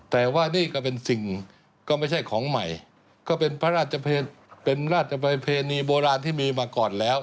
แต่ว่านี่ก็เป็นสิ่งก็ไม่ใช่ของใหม่ก็เป็นพระราชเป็นราชประเพณีโบราณที่มีมาก่อนแล้ว